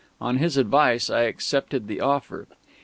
On his advice I accepted the offer.